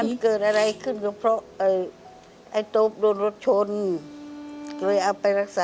มันเกิดอะไรขึ้นก็เพราะ